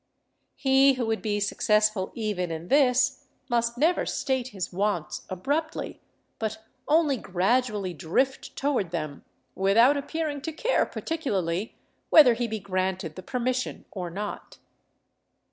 He who would be successful even in this must never state his wants abruptly, but only gradually drift toward them, without appearing to care particularly whether he be granted the permission or not.